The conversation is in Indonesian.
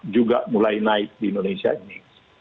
juga mulai naik di indonesia ini